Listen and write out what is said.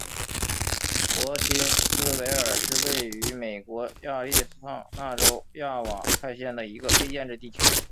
珀金斯维尔是位于美国亚利桑那州亚瓦派县的一个非建制地区。